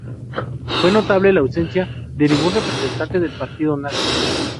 Fue notable la ausencia de ningún representante del Partido Nazi.